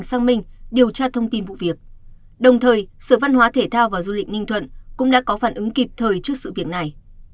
sở văn hóa thể thao và du lịch ninh thuận cũng đã có phản ứng kịp thời trước sự việc này